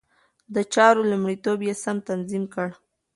د چارو لومړيتوب يې سم تنظيم کړ.